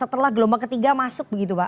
setelah gelombang ketiga masuk begitu pak